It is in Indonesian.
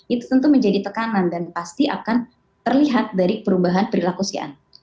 itu tentu menjadi tekanan dan pasti akan terlihat dari perubahan perilaku si anak